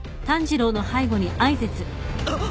あっ！